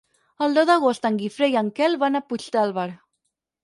El deu d'agost en Guifré i en Quel van a Puigdàlber.